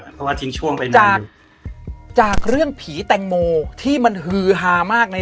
เพราะว่าทิ้งช่วงไปเลยจากจากเรื่องผีแตงโมที่มันฮือฮามากใน